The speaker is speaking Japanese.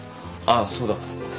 あっそうだ